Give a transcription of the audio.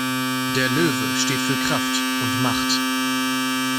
Der Löwe steht für Kraft und Macht.